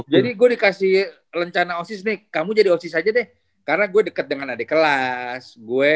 jadi gue dikasih rencana osis nih kamu jadi osis aja deh karena gue deket dengan adik kelas